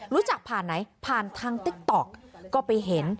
รู้จักผ่านไหนผ่านทางติ๊กต๊อกก็ไปเห็น